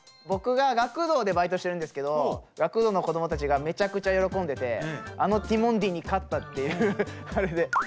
僕が学童でバイトしてるんですけど学童の子どもたちがめちゃくちゃ喜んでてあのティモンディに勝ったっていうあれで。